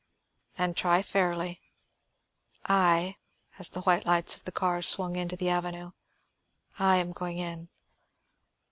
"And try fairly. I," as the white lights of the car swung into the avenue, "I am going in."